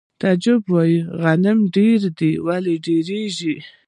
تعجب وایی غمونه ډېر دي او لا ډېرېږي